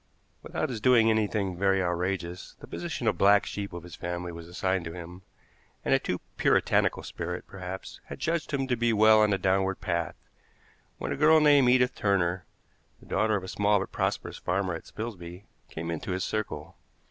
Without his doing anything very outrageous, the position of black sheep of his family was assigned to him, and a too puritanical spirit, perhaps, had judged him to be well on the downward path, when a girl named Edith Turner, the daughter of a small but prosperous farmer at Spilsby, came into his circle.